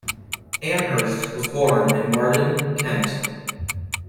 Amhurst was born at Marden, Kent.